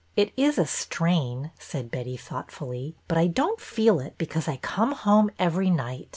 '' It is a strain," said Betty, thoughtfully, '' but I don't feel it because I come home every night.